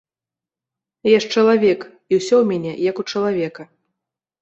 Я ж чалавек, і ўсё ў міне як у чалавека.